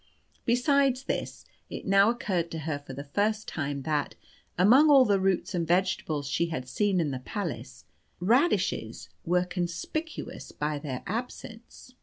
Besides this, it now occurred to her for the first time that, among all the roots and vegetables she had seen in the palace, radishes were conspicuous by their absence.